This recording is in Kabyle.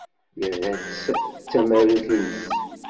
Yerra-tt d tamarut-nnes.